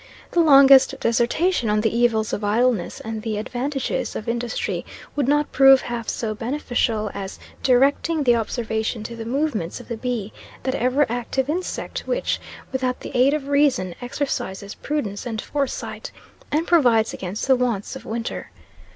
The longest dissertation on the evils of idleness and the advantages of industry would not prove half so beneficial as directing the observation to the movements of the bee that ever active insect, which, without the aid of reason, exercises prudence and foresight, and provides against the wants of winter.